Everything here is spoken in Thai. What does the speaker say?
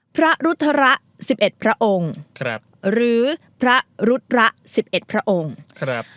พระรุธระสิบเอ็ดพระองค์ครับหรือพระรุธระสิบเอ็ดพระองค์ครับ